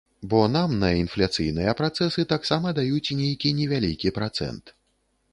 Бо нам на інфляцыйныя працэсы таксама даюць нейкі невялікі працэнт.